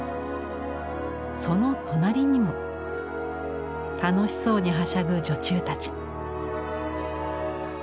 その隣にも楽しそうにはしゃぐ女中たち。